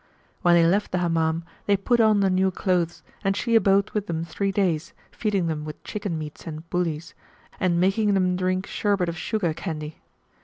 When they left the Hammam, they put on the new clothes, and she abode with them three days feeding them with chicken meats and bouillis, and making them drink sherbert of sugar candy.